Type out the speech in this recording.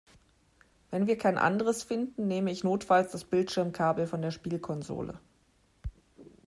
Wenn wir kein anderes finden, nehme ich notfalls das Bildschirmkabel von der Spielkonsole.